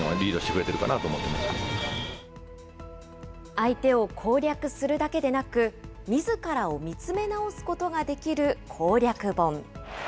相手を攻略するだけでなく、みずからを見つめ直すことができる攻略本。